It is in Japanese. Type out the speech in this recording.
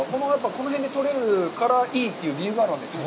この辺で取れるから、いいという理由があるわけですね。